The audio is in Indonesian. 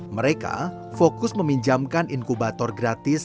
mereka fokus meminjamkan inkubator gratis